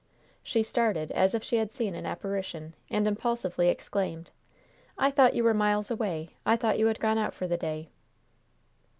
She started as if she had seen an apparition, and impulsively exclaimed: "I thought you were miles away! I thought you had gone out for the day!"